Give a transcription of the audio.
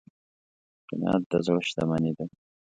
قناعت د زړه شتمني ده.